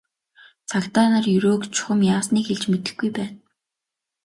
Цагдаа нар Ерөөг чухам яасныг хэлж мэдэхгүй байна.